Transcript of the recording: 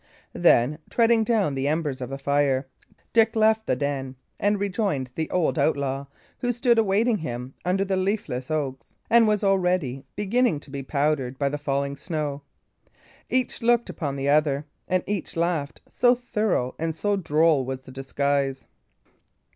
Then, treading down the embers of the fire, Dick left the den, and rejoined the old outlaw, who stood awaiting him under the leafless oaks, and was already beginning to be powdered by the falling snow. Each looked upon the other, and each laughed, so thorough and so droll was the disguise.